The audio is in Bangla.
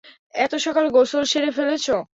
এত সকালে গোসল সেরে ফেলেছো?